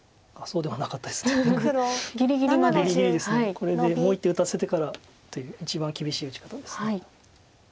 これでもう１手打たせてからという一番厳しい打ち方です。